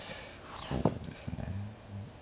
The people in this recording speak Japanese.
そうですね。